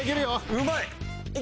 うまい！